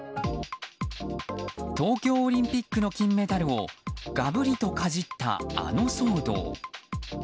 東京オリンピックの金メダルをがぶりとかじったあの騒動。